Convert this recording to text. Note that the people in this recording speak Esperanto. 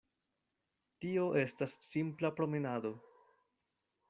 Tio estas simpla promenado.